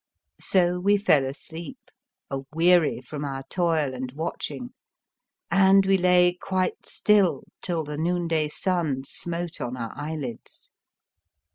So we fell asleep, a weary from our toil and watching, and we lay quite still till the noonday sun smote on our eyelids.